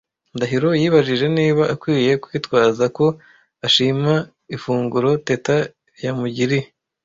Ndahiro yibajije niba akwiye kwitwaza ko ashima ifunguro Teta yamugiriye.